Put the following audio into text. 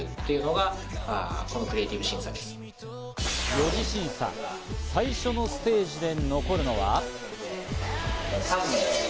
４次審査、最初のステージで残るのは。